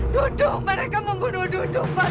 dudung mereka membunuh dudung